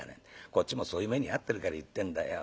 こっちもそういう目に遭ってるから言ってんだよ。